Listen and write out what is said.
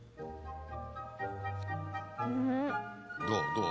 どう？